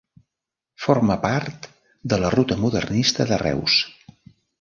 Forma part de la ruta modernista de Reus.